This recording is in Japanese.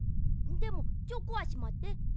でもチョコはしまって。